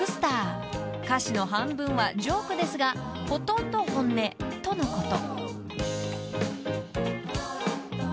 ［歌詞の半分はジョークですがほとんど本音とのこと］